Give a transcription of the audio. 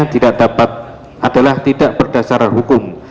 tidak dapat adalah tidak berdasarkan hukum